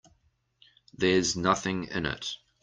There's nothing in it.